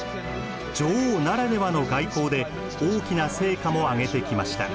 女王ならではの外交で大きな成果も上げてきました。